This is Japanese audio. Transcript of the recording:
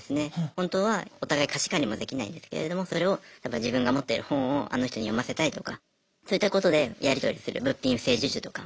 本当はお互い貸し借りもできないんですけれどもそれを自分が持ってる本をあの人に読ませたいとかそういったことでやり取りする物品不正授受とかもあります。